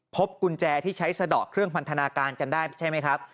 พบกุญแจที่ใช้สะดอกเครื่องพันธนาการจำได้ใช่ไหมครับ